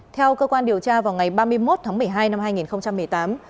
theo cơ quan điều tra vào ngày ba mươi một tháng một mươi hai năm hai nghìn một mươi tám